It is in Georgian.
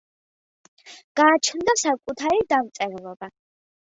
გააჩნდა საკუთარი დამწერლობა.